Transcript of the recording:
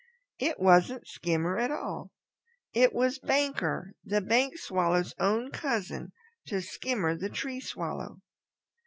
It wasn't Skimmer at all. It was Banker the Bank Swallow, own cousin to Skimmer the Tree Swallow.